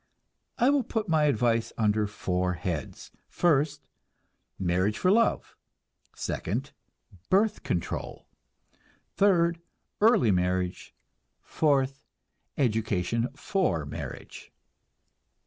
I will put my advice under four heads: First, marriage for love; second, birth control; third, early marriage; fourth, education for marriage.